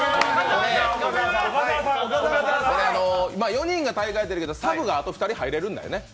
４人が大会に出るけど、サブがあと２人入れるんだよね。